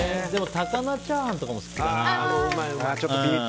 高菜チャーハンとかも好きだな。